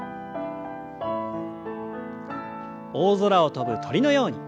大空を飛ぶ鳥のように。